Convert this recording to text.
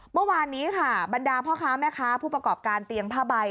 เมื่อวานนี้ค่ะบรรดาพ่อค้าแม่ค้าผู้ประกอบการเตียงผ้าใบ